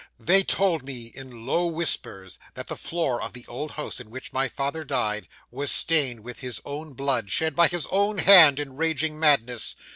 They told me in low whispers, that the floor of the old house in which my father died, was stained with his own blood, shed by his own hand in raging madness.